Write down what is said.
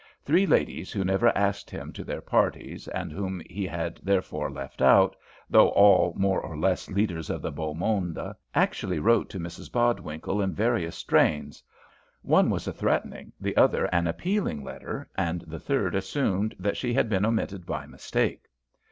Three ladies who never asked him to their parties, and whom he had therefore left out, though all more or less leaders of the beau monde, actually wrote to Mrs Bodwinkle in various strains one was a threatening, the other an appealing letter, and the third assumed that she had been omitted by mistake.